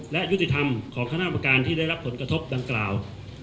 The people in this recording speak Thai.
และยุติธรรมของคณะประการที่ได้รับผลกระทบดังกล่าว